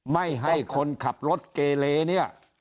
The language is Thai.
ไม่ให้คนขับรถเกเล